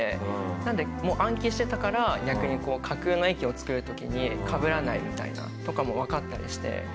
なので暗記してたから逆に架空の駅を作る時にかぶらないみたいなとかもわかったりして。